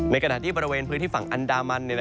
ขณะที่บริเวณพื้นที่ฝั่งอันดามัน